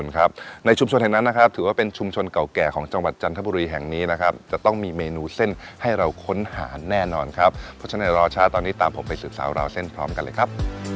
ค่ะตอนนี้ตามผมไปศึกษาวราวเส้นพร้อมกันเลยครับ